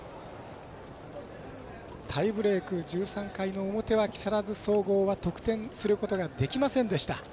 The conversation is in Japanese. タイブレーク、１３回の表は木更津総合は得点することができませんでした。